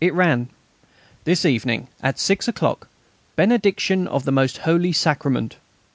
It ran: "THIS EVENING AT SIX O'CLOCK, BENEDICTION OF THE MOST HOLY SACRAMENT."